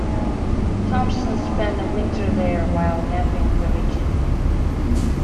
Thompson spent a winter there while mapping the region.